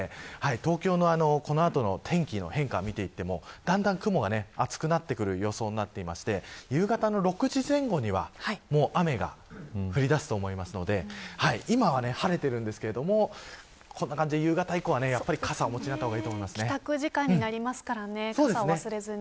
東京のこの後の天気の変化を見ていてもだんだん雲が厚くなってくる予想になっていまして夕方の６時前後にはもう雨が降り出すと思いますので今は晴れているんですが夕方以降は傘をお持ちになった方が帰宅時間になりますからね。